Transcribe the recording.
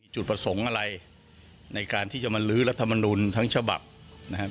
จุดประสงค์อะไรในการที่จะมาลื้อรัฐมนุนทั้งฉบับนะครับ